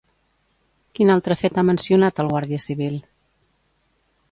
Quin altre fet ha mencionat el guàrdia civil?